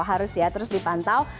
harus ya terus dipantau